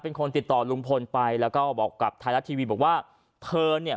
เป็นคนติดต่อลุงพลไปแล้วก็บอกกับไทยรัฐทีวีบอกว่าเธอเนี่ย